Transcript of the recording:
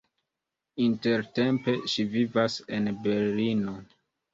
Intertempe ŝi vivas en Berlino.